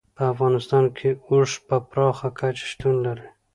په افغانستان کې اوښ په پراخه کچه شتون لري.